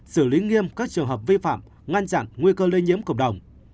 xử lý nghiêm các trường hợp vi phạm ngăn chặn nguy cơ lây nhiễm cộng đồng